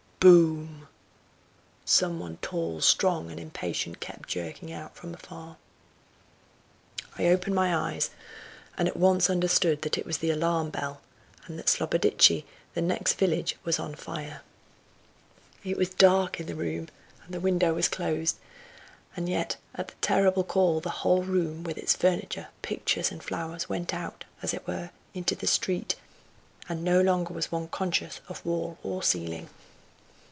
boom!" Some one tall, strong and impatient kept jerking out from afar. I opened my eyes, and at once understood that it was the alarm bell, and that Slobodishtchy, the next village, was on fire. It was dark in the room and the window was closed, and yet at the terrible call the whole room, with its furniture, pictures and flowers, went out, as it were, into the street, and no longer was one conscious of wall or ceiling.